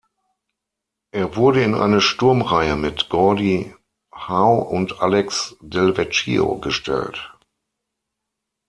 Er wurde in eine Sturmreihe mit Gordie Howe und Alex Delvecchio gestellt.